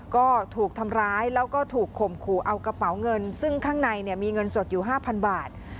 ก็ถูกทำร้ายแล้วก็ถูกข่มขู่เอากระเป๋าเงินซึ่งข้างในเนี่ยมีเงินสดอยู่๕๐๐บาท